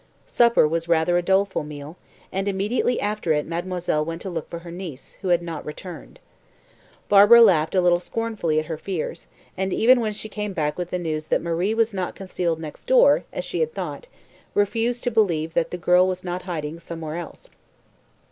Supper was rather a doleful meal, and immediately after it mademoiselle went to look for her niece, who had not returned. Barbara laughed a little scornfully at her fears, and even when she came back with the news that Marie was not concealed next door, as she had thought, refused to believe that the girl was not hiding somewhere else.